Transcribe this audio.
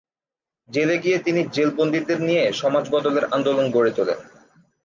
জেলে গিয়ে তিনি জেল বন্দীদের নিয়ে সমাজ বদলের আন্দোলন গড়ে তোলেন।